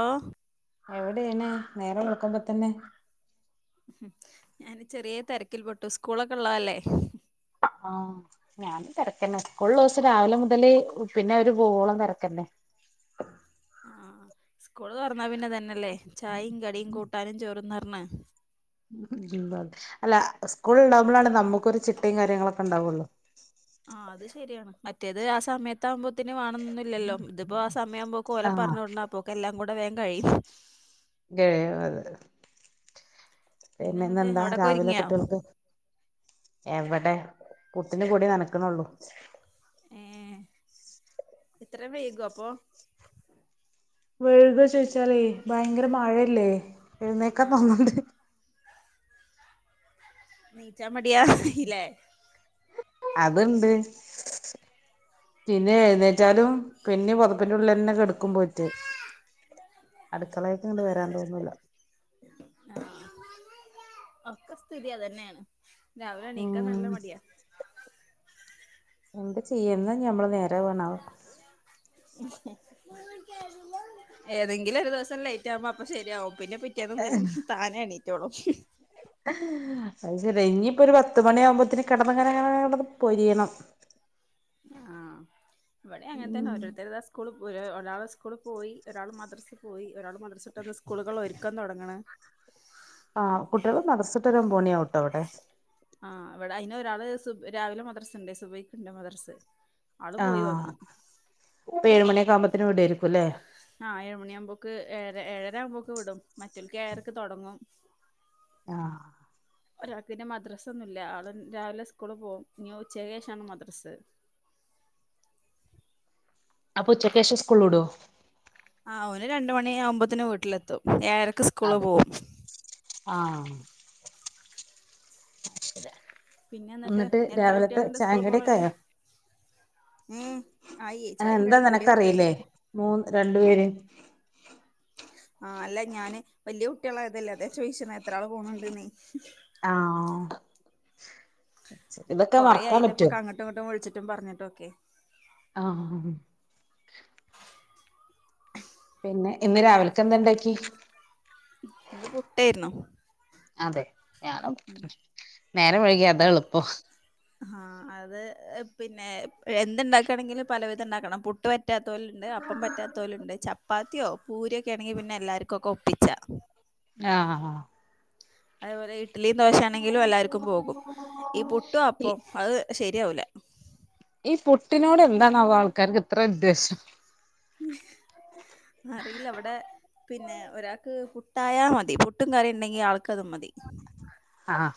ആഹ് എവിടേണ് നേരം വെൾക്കുമ്പത്തന്നെ ഞാന് ചെറ്യേ തെരക്കിൽ പെട്ടു സ്കൂളൊക്കെ ള്ളതല്ലേ ആഹ് ഞാനും തെരെക്കെന്നെ സ്കൂൾ ള്ളോസം രാവിലെ മുതല് പിന്നെ ഓര് പോവോളം തെരക്കന്നെ ആ സ്കൂള് തുറന്നാ പിന്നെ തന്നെല്ലേ ചായയും കടിയും കൂട്ടാനും ചോറും ന്നാ ണ്ണേ ഉം അതെ അല്ല സ്കൂള് ഉണ്ടാകുമ്പോഴാണ് നമുക്കൊരു ചിട്ടയും കാര്യങ്ങളൊക്കെ ഉണ്ടാവുള്ളു ആ അത് ശരിയാണ് മറ്റേത് ആ സമയത്ത് ആകുമ്പോത്തി തന്നെ വേണംന്നൊന്നുമില്ലല്ലോ ഇതിപ്പോ ആ സമയാവുമ്പോ ഓല ആഹ് പറഞ്ഞോടണാപ്പോക്കെ എല്ലാം കൂടെ വേഗം കഴിയും കഴിയും അതെ പിന്നെ എന്നിട്ട് ഇന്നെന്താ അവിടൊക്കെ രാവിലെ ഒരുങ്ങിയോ കുട്ടികൾക്ക് എവ ടെ പുട്ടിന് പൊടി നനക്കുന്നുള്ളു ഏ ഇത്രയും വൈകോ അപ്പൊ വൈകോ ചോദിച്ചാലേ ഭയങ്കര മഴയല്ലേ എഴുന്നേക്കാ ആ തോന്നണ്ടേ നീച്ചാ മടിയാ ല്ലേ അത്ണ്ട് പിന്നെ എഴുന്നേറ്റാലും പിന്നെ പുതപ്പിന്റെ ഉള്ളിലെന്നെ കെടക്കും പോയിറ്റ് അടുക്കളയൊക്കണ്ട് വരാൻ തോന്നൂല്ല ആ ഒക്കെ സ്ഥിതി അതന്നെയാണ് രാവിലെ എണീക്കാൻ നല്ല ഉം മടിയാ എന്ത് ചെയ്യന്ന് ഞമ്മള് നേരെ ണാവോ ഏതെങ്കിലും ഒരു ദിവസം ലേറ്റ് ആകുമ്പോ അപ്പൊ ശരിയാവും പിന്നേ പിറ്റേന്നുതൽ താനെ എ ണീറ്റോളും അത് ശരി ഇനിയിപ്പൊ ഒരു പത്ത് മണി ആകുമ്പോത്തിനു കിടന്നങ്ങനങ്ങന പൊരിയണം ആഹ ഇവിടെ അങ്ങനെത്തന്നെ ഓരോരുത്തര് താ സ്കൂൾ ഒ ഒരാള് സ്കൂളിൽ പോയി ഒരാൾ മദ്രസ് പോയി ഒരാൾ മദ്രസട്ടന്ന് സ്കൂളുകൾ ഒരുക്കൻ തുടങ്ങണ് ആ കുട്ടികൾ മദ്ർസ വിട്ട് വരാൻ ഒമ്പതു മണിയാകും ട്ടോ വിടെ ആഹ് അവിടെ അയിന് ഒരാള് സു രാവിലെ മദ്രസുണ്ട് സുബയ്ക്കുണ്ട് മദ്രസ ആള് പോയി ആഹ വന്നു ഇപ്പൊ ഏഴുമണിയക്കെ ആവുമ്പോത്തന് വിടായിരിക്കും ല്ലേ ആഹ് മണിയാകുമ്പോക്ക് ഏഴ് ഏഴര ആകുമ്പോക്കെ വിടും മറ്റക്ക് ഏഴരക്ക് തുടങ്ങും ആ ഒരാക്കു പിന്നെ മദ്രസ്സ ഒന്നും ഇല്ല ആള രാവിലെ സ്കൂള് പോകും നീ ഉച്ചയ്ക്ക്ശേഷാണ് മദ്രസ്സ [unintelligible] അപ്പൊച്ചക്ക് ശേഷം സ്കൂൾവിടോ ആ അവന് രണ്ട മണി ആവുമ്പത്തന് വീട്ടിലെത്തും ഏഴരൊക്കെ സ്കൂള് പോവും ആ പിന്നെ എന്നിട്ട് എത്ര കുട്ടികളുണ്ട് സ്കൂളി പോണോർ ആ എന്താ നിനക്കറിയില്ലേ കഴിഞ്ഞു മൂന്ന് രണ്ടു പേര് ആഹ അല്ല ഞാന് വല്യാ കുട്ടികളയതല്ലേ അതെ ചോയിച്ചന്ന എത്ര ആള് പോണണ്ട് ന്ന് ആ ഇതൊക്കെ മറക്കാൻ പറ്റുവോ റ്റും പറഞ്ഞ്ട്ടൊക്കെ ആഹ് ഇന്ന് രാവില്ക്കെന്ത ഇണ്ടാക്കി ഇന്ന് പുട്ടെര്ന്നു അതെ. ഞാനും നേരം വൈകി അതാ അയ് എള്പ്പം ആ അത് പിന്നെ എന്ത്ണ്ടാക്കാണെങ്കിലും പലവിധണ്ടാക്കണം പുട്ട് പറ്റാത്തോല്ണ്ട് അപ്പം പറ്റാത്തോല്ണ്ട് ചപ് പ്പാത്തിയൊ പൂരിയൊക്കെ ആണെങ്കി പിന്നെ എല്ലാർക്കൊക്കെ ഒപ്പിച്ച ആഹ് ആഹ് അത്പോലെ ഇട്ലിം ദോശാണെങ്കിലും എല്ലാർക്കും പോകും ഈ പുട്ടും ഈ അപ്പൊം അത് ശരിയവുല ഈ പുട്ട്ന് എന്താണാവൊ ആൾക്കാർക് ഇത്രെ വിദ്വേശം അറിയില്ല ഇവടെ പിന്നെ ഒരാൾക്ക് പുട്ടായാ മതി പുട്ടും കറിണ്ടെങ്കി ആൾക്കത് മതി ആഹ്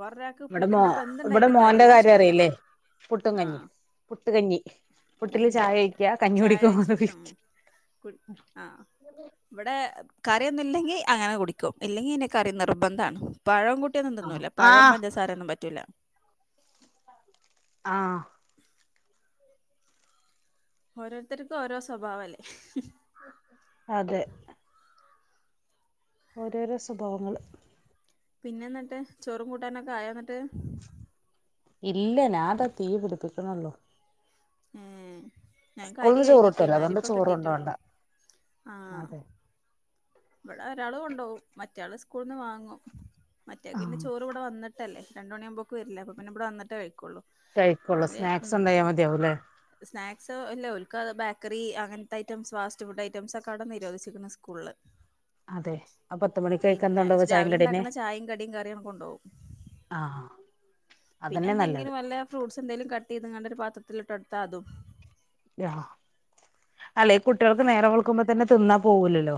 വേറൊരാൾക്ക് ഇവിടെ മോ പുട്ടിന്റെപ്പം ഇവിടെ എന്ത്ണ്ടായിട്ടും മോന്റെ കാര്യല്ല കാര്യം ഇഷ്ടല്ല അറിയില്ലേ പുട്ടും കഞ്ഞി ആഹ് പുട്ട്കഞ്ഞി പുട്ടില് ഉം ചായ ഒഴിക്കാ കഞ്ഞി കുടിക്കും കുട് ആഹ് ഇവടെ കറിയൊന്നില്ലെങ്കി അങ്ങനെ കുടിക്കും. ഇല്ലെങ്കി അന്നെ കറി നിർബന്ധാണ് പഴം കൂട്ടി ന്ന പഴം ആഹ് പഞ്ചസാരൊന്നും പറ്റൂല ആഹ് ഓരോര്ത്തർക്കും ഓരോ സ്വഭാവല്ലെ അതെ ഓരോരൊ സ്വൊഭാവങ്ങള് പിന്നെ ഇന്ന്ട്ട് ചോറും കൂട്ടാനൊക്കെ ആയൊ ഇന്ന്ട്ട് ഇല്ല ഞാൻതാ തീ പിടിപ്പിക്ക്ണൊള്ളു ഉം സ്കൂള്ന്ന് ചോറ് ഇട്ടോല്ലൊ അതോണ്ട് ചോറ്ണ്ടോണ്ട കിട്ടിയിട്ടേള്ളു അതെ ഇവടെ ഒരാള് കൊണ്ടോകും മറ്റയാൾ സ്കൂളിന്ന് വാങ്ങും മറ്റേക്ക് പിന്നെ ചോറ് ഇവടെ വന്ന്ട്ട് ല്ലെ രണ്ട് മണിയാവുമ്പ്ക്ക് വര്ല്ലെ അപ്പ പിന്നവടെ വന്നിട്ടെ കഴിക്കൊള്ളു കഴിക്കൊള്ളു സ്നാക്സ് ഉണ്ടായ മതിയാവുല്ലെ സ്നാക്സ് ഇല്ല ഓൽക്ക് അത് ബേക്കറി അങ്ങൻത്തെ ഐറ്റംസ് ഫാസ്റ്റ് ഫുഡ് ഐറ്റംസൊക്കെ അവ്ടെ നിരോധിച്ച്ക്ക്ണ് സ്കൂള്ല് അതെ പിന്നെ അപത്ത്മണിക്കഴിക്കാന്തൊണ്ടോവ ചായിം രാവിലെ കടിന്നെ ഉണ്ടാക്കുന്ന ചായയും കടിയും കറിയും കൊണ്ടോവും ആഹ് പിന്നെ അതന്നെ നല്ലത് എന്തെങ്കിലും വല്ല ഫ്രൂട്ട്സ് എന്തേലും കട്ടീത്ങ്ങാണ്ട് ഒര് പാത്രത്തിലിട്ടൊട്ത്ത അതും അല്ല ഈ കുട്ടീൾക്ക് നേരം വെള്ക്കുമ്പൊ തന്നെ തിന്നാ പോവൂലലൊ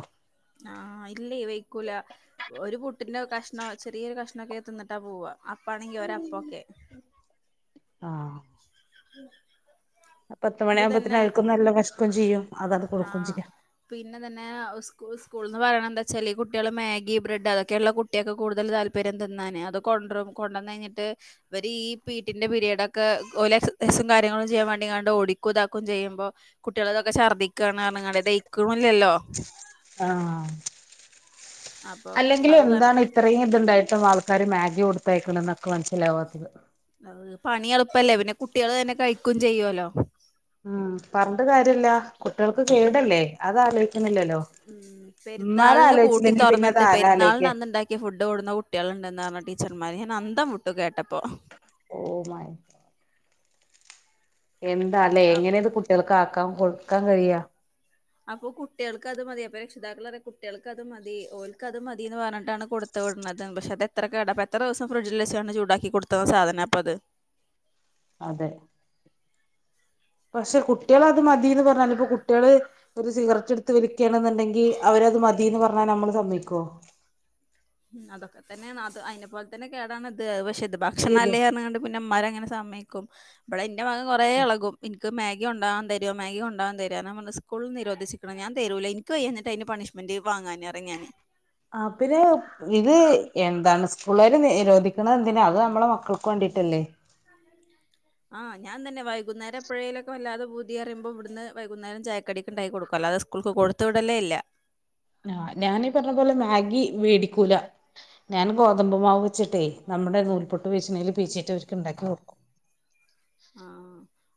ആഹ് ഇല്ലെ വെയ്ക്കൂല ഒരു പുട്ടിന്റെ കഷ്ണൊ ചെറീയൊര് കഷ്ണൊക്കെ തിന്നിട്ടാ പോവ അപ്പാണെങ്കി ഒരപ്പൊക്കെ പത്ത് ഇത് മണിയാവുമ്പത്തിന് തന്നെ അവർക്കും നല്ലം വെശ്ക്കും ചെയ്യും അതത് കൊടുക്കും ചിയ്യ സ് സ്കൂള്ന്ന് പറീണെന്താച്ചാല് കുട്ടീള് മാഗീ ബ്രെഡ് അതൊക്കേണ്ല്ലൊ കുട്ടീക്ക് കൂടുതൽ താല്പര്യം തിന്നാന് അതൊ കൊണ്ട്രും കൊണ്ടന്നെഴ്ഞ്ഞ്ട്ട് ഇവരീ പീട്ടിന്റെ പിരീടൊക്കെ ഓലെ എക്സറസൈസും കാര്യങ്ങളൊക്കെ ചെയ്യാൻ വേണ്ടി ഓടിക്കുതാക്കും ചെയ്യുമ്പൊ കുട്ടീളെതൊക്കെ ശർദ്ദിക്കാണ് പറഞ്ങാണ്ട് ദഹിക്ക്ണില്ലലൊ ആഹ് അപ്പൊ അത് പറ അല്ലെങ്കിലെന്താണ് ഇത്രീംത്ണ്ടായിട്ടും ആൾക്കാര് മാഗി കൊടുത്തയ്ക്ക്ണ് ഇക്ക് മനസ്സ്ലാവത്തത് പണിയെൾപ്പല്ലെ പിന്നെ കുട്ടീള് തന്നെ കഴിക്കും ചെയ്യോല്ലൊ ഉം പറഞ്ട്ട് കാര്യല്ലാ കുട്ടീൾക്ക് ഈ കേടല്ലെ അത് ആലോയ്ക്ക്ണ്ല്ലലൊ ഉം പെരുന്നാള്ന് പൂട്ടി അത് തൊറന്ന്ട്ട് ആരാ പെരൂന്നാള്ന് ആലോചിക്ക അന്ന്ണ്ടാക്കിയ ഫുഡ്ഡ് കൊണ്ട്ന്ന കുട്ടീള്ണ്ട്ന്ന പറഞ്ഞ ടീച്ചർമാര് ന്നന്തം വിട്ടു കേട്ടപ്പൊ ഓഹ് മയ് എന്താല്ലേ അ- എങ്ങനെ ഇത് കുട്ടികൾക്ക് ആക്കാം കൊടുക്കാൻ കഴിയാ. അപ്പൊ കുട്ടികൾക്ക് അത് മതി അപ്പൊ രക്ഷിതാക്കൾപറഞ്ഞു കുട്ടികൾക്ക് അത് മതി ഓക്ക് അത് മതി എന്ന് പറഞ്ഞിട്ടാണ് കൊടുത്ത. പക്ഷെ അത്എത്ര കേടഅപ്പൊ എത്ര ദിവസം ഫ്രിഡ്ജിൽ വച്ചാണ് ചൂടാക്കി കൊടുത്തുന്ന സാധനം അപ്പൊ ഇത്. അതെ. പക്ഷെ കുട്ടികൾ അത് മതിന്ന് പറഞ്ഞാൽ ഇപ്പ കുട്ടികള് ഒരു സിഗററ്റ് എടുത്ത് വലി,, ണെന്നുണ്ടെങ്കിൽ അവരത് മതിന്ന് പറഞ്ഞാൽ നമ്മള് സമ്മക്കോ. അതൊക്കെ തന്നെ അതിനെ പോലെ തന്നെ കേടാണ് ഇത് പക്ഷെ ഇത് ഭക്ഷണം അല്ലേ പറഞ്ഞിക്കാണ്ട് പിന്നെ ഇമ്മമാരങ്ങനെ. സമയക്കും ഇവടെ എന്റെ മകൻ കുറേ ഇളകും. മാഗി ഉണ്ടാവാൻ തരോ മാഗി ഉണ്ടാൻ തരോ ഞാൻ പറഞ്ഞു സ്കൂളിൽ നിരോധിച്ചുക്കുണു ഞാൻ തരൂല എനിക്ക് വയ്യ അതിന്റെ പണിഷ്മെന്റ്. വാങ്ങാന പറയും ഞാന്. ഇത് എന്താണ് സ്കൂളുകാർ നിരോധിക്കുന്നത് എന്തിനാ അത് നമ്മളെ മക്കൾക്ക് വേണ്ടി. ട്ടല്ലേ. അ അ ഞാൻ തന്നെ വൈകുന്നേരം എപ്പോഴേലോക്കെ വല്ലാതെപൂതിപറയുമ്പോ ഇവിടുന്ന് വൈകുന്നരം ചായക്കടിക്ക് ഉണ്ടാക്കി കൊടുക്കു അല്ലതെ സ്കൂൾ. കൊടുത്തുവിടലേ ഇല്ലാ ആ് ഞാനീ പറഞ്ഞ പോലെ മാഗി വേടിക്കൂല. ഞാൻ ഗോതമ്പ്മാവ് വെച്ചിട്ടെ നമ്മുടെ നൂൽപൊട്ട് വെച്ചിണേല് പീച്ചീറ്റ് ഇവരിക്ക് ഇണ്ടാക്കി കൊടുക്കും. ആ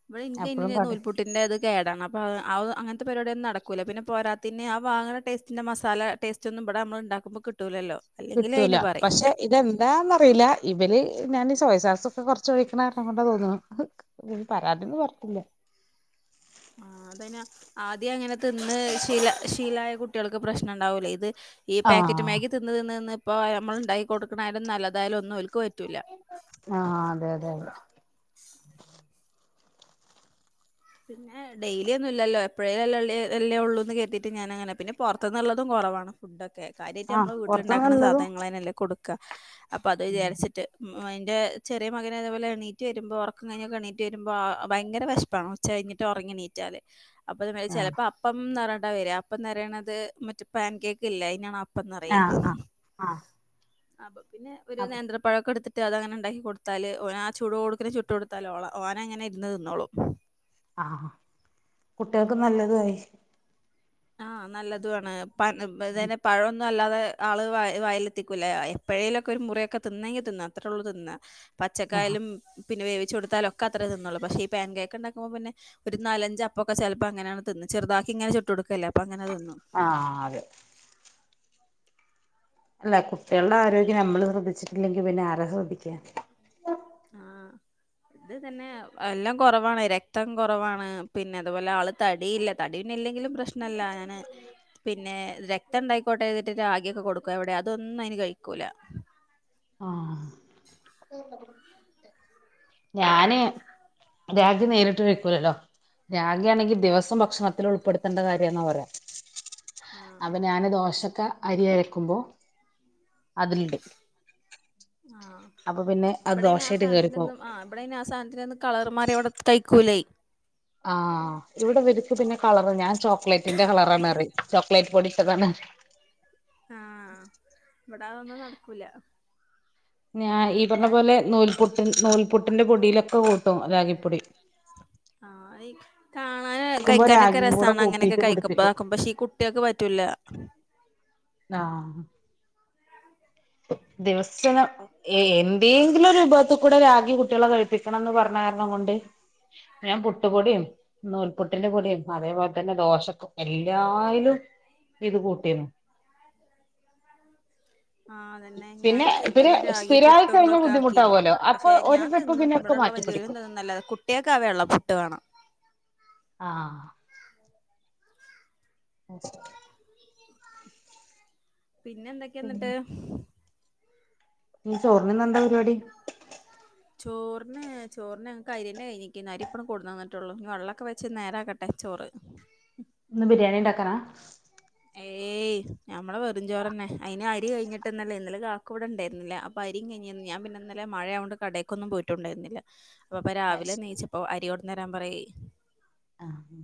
[unintelligible] അപ്പഴും കടി നൂൽപുട്ടിന്റെ അത് കേടാണ് അപ്പൊ [unintelligible] [unintelligible] പരിപാടിയും നടക്കൂല പിന്നെ പോരാ പിന്നെ ആ വാങ്ങണ ടേസ്റ്റിന്റെ മസാല ടേസ്റ്റ് ഒന്നും ഇവിടെ നമ്മൾ ഇണ്ടാക്കുമ്പോ കിട്ടൂലല്ലോ. അല്ലെങ്കിൽ കിട്ടൂല അയിന് പറയും പക്ഷെ ഇതെന്താന്നറിയില്ല ഇവര് ഞാൻസോയ്സാസ് ഒക്കെ കൊറച്ച് കഴിക്കണകാരണംകൊണ്ടാ തോന്നണു പരാതിന്നും പറഞ്ഞിട്ടില്ല. [inaudible] ആ അതന്നാ ആദ്യം അങ്ങനെ തിന്ന് ശീല ശീലായ കുട്ടികൾക്ക് പ്രശ്നം ഉണ്ടാവൂലേ ഇത്. ഈ പാക്കറ്റ് ആഹ് മാഗിതിന്ന് തിന്ന് തിന്ന് തിന്ന് ഇപ്പോ നമ്മൾ ഉണ്ടാക്കി കൊടുക്കണാലും നല്ലതായാലും ഒന്നും ഒൽക്കും. [unintelligible] ആഹ അതെ അതെ അതെ പിന്നെ ഡെയിലി ഒന്നും ഇല്ലല്ലോ [unintelligible] ഉള്ളൂന്ന് കേട്ടീട്ട് ഞാനങ്ങനെ പിന്നെ പുറത്തന്നുള്ളതും കുറവാണ് ഫുഡൊക്കെ. കാര്യായിട്ട് ആഹ് നമ്മള് പുറത്ത് വീട്ടിലിണ്ടാക്കണ നല്ലതും സാധനങ്ങൾതന്നല്ലേ കൊടുക്കാ അപ്പൊ അത് വിചാരിച്ചിട്ട് ആ എൻ്റെ ചെറിയ മകന് അതേപോലെ എണീറ്റ് വരുമ്പോൾ ഉറക്കം കഴിഞ്ഞൊക്കെ എണീറ്റ് വരുമ്പോ ഭയങ്കര വിശപ്പാണ്. [unintelligible] കഴിഞ്ഞിട്ട് ഉറങ്ങി നീറ്റാല് അപ്പ അത് ആഹ് ചിലപ്പോ അപ്പംന്ന് പറ [unintelligible] അപ്പന്ന് അറിയണത് മറ്റ പാൻ കേക്ക് ഇല്ലേ അയ്നാണ് ആഹ് ആഹ് [unintelligible] ആഹ് അപ്പൊ പിന്നെ ഒരു അപ്പ നേന്ത്രപ്പഴൊക്കെ എടുത്തിട്ട്. അതങ്ങനെ ഉണ്ടാക്കി കൊടുത്താല് ഓൻ ആ ചൂട് ഓട്ക്കനെ ചുട്ട് കൊടുത്താലോള ഓൻ അങ്ങനെ ഇന്ന് തിന്നോളും. ആഹ കുട്ടികൾക്ക് നല്ലതും ആയി. ആഹ നല്ലതു ആണ് [unintelligible] പഴം. ന്ന അല്ലാതെ ആള് വായിൽ വായിലെത്തിക്കൂലേ എപ്പോഴേലുഒക്കെ ഒരു മുറയൊക്കെ തിന്നെങ്കി തിന്ന. അത്രേള്ളൂ തിന്ന ആഹ് പച്ചക്കായലും പിന്നെ [inaudible] ച കൊടുത്താല ഒക്കെ അത്ര തിന്നൊള്ളൂ പക്ഷ ഈ പൻ കേക്കിണ്ടാക്കുമ്പോ പിന്നെ ഒരു നാലഞ്ച് അപ്പൊക്കെ അങ്ങനാണ് തിന്ന് ചെറുതാക്കിങ്ങനെ.. ആഹ അതെ അല്ല കുട്ടികളുടെ ആരോഗ്യം നമ്മള് ശ്രദ്ധിച്ചിട്ടില്ലെങ്കി പിന്നെ ആരാ ശ്രദ്ധിക്കാ. ആഹ ഇത് തന്നെ എല്ലാം കുറവാണ് രക്തം കുറവാണ്, പിന്നെ അതുപോലെ ആള് തടിയില്ല തടി പിന്നെ എല്ലെങ്കിലും പ്രശ്നല്ല ഞാന് പിന്നെ. രക്തം ഇണ്ടായിക്കോട്ടെ കരുതീട്ട് രാഗിയൊക്കെ കൊടുക്കും എവിടെ അതൊന്നും അതിന് കഴിക്കൂല ആഹ ഞാന് രാഗി നേരിട്ട് വക്കൂലല്ലോ. രാഗി ആണെങ്കി ദിവസം ഭക്ഷണത്തിൽ ഉൾപ്പെടുത്തണ്ട കാര്യെന്നാ പറയാ. അപ്പൊ ആഹ് ഞാൻ ദോശൊക്കെ അരി അരക്കുമ്പോ അതിലിടും. അപ്പൊ പിന്നെ അത് ഇവിടെന്നെ ദോശയായിട്ട് കേറിപ്പോവും ആസാനത്തിന്റെന്നും ആ ഇവിടെന്നെ ആസാനത്തിന്റെന്നും കളർമറിയ ഇവിടെ കഴിക്കൂലേ. ആ ഇവിടെ ഇവരിക്ക് പിന്നെ കളറാണ് ഞാൻ ചോക്ലേറ്റിന്റെ കളറാണ്-. [unintelligible] ആ ഇവിട അതൊന്നും നടക്കൂല. ഞാ ഈ പറഞ്ഞ ഞാൻ പോലെ നൂൽപുട്ടി നൂൽപുട്ടിന്റെ പൊടിയിലൊക്കെ കൂട്ടും രാഗിപ്പൊടി. ആയിക്ക് കാണാന് ക്കുമ്പോ കഴിക്കാനൊക്ക രാഗിയും കൂടെ രസാണ്. അങ്ങനെ ഒക്ക കൂട്ടിയിട്ട് കഴിക്കുബാ പിടിപ്പിക്കും ആക്കുമ്പ ശേ ഈ കുട്ടിയക്ക് പറ്റൂല. ന്നാ ദിവസന എന്തേങ്കിലും ഒരു വിഭവത്തിൽ കൂടെ രാഗി കുട്ടികളെ കഴിപ്പിക്കണംന്ന് പറഞ്ഞ. കാരണം കൊണ്ട് ഞാൻ പുട്ടുപൊടിയും, നൂൽപുട്ടിന്റെ പൊടിയും അതേപോലെ തന്നെ ദോശക്കും എല്ലായിലും ഇത് കൂട്ടിന്ന? ആ അതന്നെ ഞാന് രാഗി പുട്ടും. കഴിഞ്ഞാൽ ഇതൊക്കെ ആക്കീന് ബുദ്ധിമുട്ടാവുമല്ലോ അപ്പൊ പക്ഷെ ഒരു ഞാൻ ട്രിപ്പ് തിന്നും പിന്നൊക്കെ ഇവിടെള്ള [unintelligible] മാറ്റിപ്പിടിക്കും ഇതിടുന്നതും നല്ലതാ കുട്ടികൾക്കാ വെള്ള പുട്ട് വേണം. ആ [unintelligible] പിന്നെ എന്തൊക്കെയ എന്നിട്ട്? ഇന്ന് ചോറിന് ഇന്ന് എന്താ പരിപാടി? ചോറിന് ചോറിനെ ഞങ്ങക്ക് അരിയന്നെ കഴിഞ്ഞക്കണ് അരി ഇപ്പോ അങ്ങട് കൊണ്ട് തന്നിട്ടേയുള്ളൂ, വെള്ളൊക്കെ വെച്ച് നേരായക്കട്ടെ ചോറ്. [unintelligible] ഇന്ന് ബിരിയാണി ഇണ്ടാക്കാനാ. ഏയ്. ഏയ്, ഞമ്മളെ വെറഞ്ചോറെന്നെ അയിന് അരി കഴിഞ്ഞിട്ട് ഇന്നല്ലേ ഇന്നലെ കാക്കു ഇവിടെയുണ്ടായിരുന്നില്ല അപ്പൊ അരി കയിഞ്ഞ് ഞാൻ പിന്നെ ഇന്നലെ മഴയായ കൊണ്ട് കടെക്കൊന്നും പോയിട്ടുണ്ടായിരുന്നില്ല. അപ്പം അത് രാവിലെ ശരി നീച്ചപ്പം അരികൊണ്ടെന്നു തരാൻ പറയി. ആഹ്.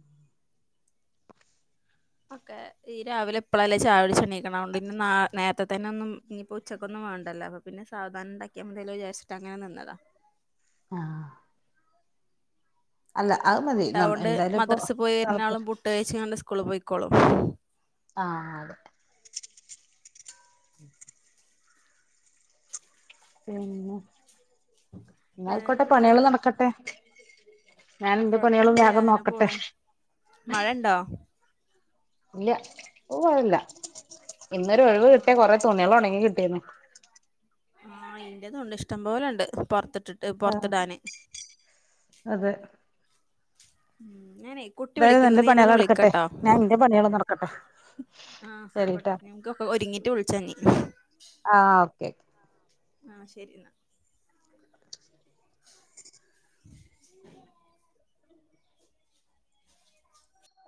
ഒക്കെ ഈ രാവിലെ ഇപ്പളല്ലേ ചായകു ടിച്ച് എണീക്കണേ ഇന്ന് നേരത്തെ. തന്നെന്നും ഇനിയിപ്പോ ഉച്ചക്കൊന്നും വേണ്ടല്ലോ അപ്പൊ പിന്നെ സാവധാനം ഉണ്ടാക്കിയാൽ മതില്ലോ വിചാരിച്ചിട്ട് അങ്ങനെ നിന്നതാ. ആഹ്. അല്ല അത് മതി പുട്ടായ കൊണ്ട് എന്തായാലും ഇപ്പൊ മദ്രസി പോയി വരുന്നാളും പുട്ട് കഴിച്ചു കൊണ്ട് സ്കൂളിൽ പോയിക്കോളും. ആ ആ അതെ. ഉം. പിന്നെ ന്നാ ആയിക്കോട്ടെ വേറെന്തൊക്കെയാ പണികള് നടക്കട്ടെ. ഞാൻ എന്റെ പണികളും കൊഴപ്പൊന്നുല്ല വേഗം അങ്ങനെ നോക്കട്ടെ. പോണ് മഴണ്ടോ ഇല്ല്യ പോവാറില്ല ഇന്നൊരു ഒഴിവ് കിട്ടിയ കൊറെ ആഹ് തുണിക്കൾ ഒണങ്ങി കിട്ടിയാനി. ആ എന്റെതു ഒണ്ട് ഇഷ്ടംപോലെ ഒണ്ട് പൊറത്ത്. ഇട്ടിട്ട് ആഹ് പൊറത്തിടാന്. അതെ ഉം. ഞാനേ കുട്ടി എന്തായാലും വിളിക്കണുണ്ട് എന്റെ എന്നാ പണികൾ ഞാനങ്ങു നടക്കട്ടെ വിളിക്കാട്ടോ ഞാൻ എന്റെ പണികള് നടക്കട്ടെ ആ ആയിക്കോട്ടെ? ശരിട്ടാ നീയോ ഹേ ഒരുങ്ങിട്ട് വിളിച്ചാ ഇനി. ആ ഓക്കേ. ആ ശരി അന്നാ. [unintelligible]